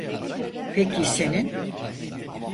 Peki senin?